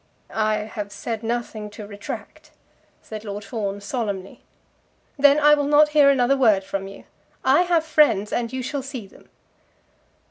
"I have said nothing to retract," said Lord Fawn solemnly. "Then I will not hear another word from you. I have friends, and you shall see them."